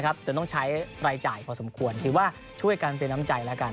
จนต้องใช้รายจ่ายพอสมควรถือว่าช่วยกันเป็นน้ำใจแล้วกัน